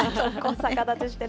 逆立ちしてね。